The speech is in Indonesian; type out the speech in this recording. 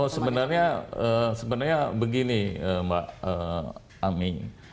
sebenarnya begini mbak aming